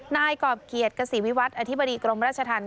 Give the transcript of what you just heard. นายกรอบเกียรติกษีวิวัตรอธิบดีกรมราชธรรม